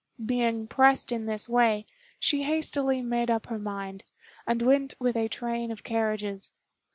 Being pressed in this way, she hastily made up her mind, and went with a train of carriages.